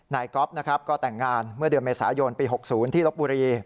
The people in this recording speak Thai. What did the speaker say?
ก๊อฟนะครับก็แต่งงานเมื่อเดือนเมษายนปี๖๐ที่ลบบุรี